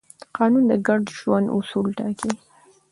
قانون د ګډ ژوند اصول ټاکي.